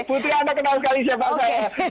putri anda kenal sekali siapa saya